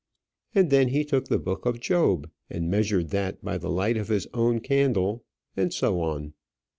And then he took the book of Job, and measured that by the light of his own candle and so on.